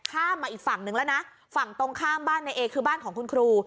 ข้ามมาอีกฝั่งนึงแล้วนะฝั่งตรงข้ามบ้านในเอคือบ้านของคุณครู